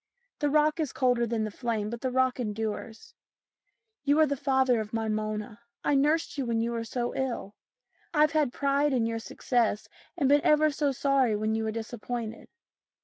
The rock is colder than the flame, but the rock endures. You are the father of my Mona. I nursed you when you were so ill. I've had pride in your success and been ever so sorry when you were disappointed.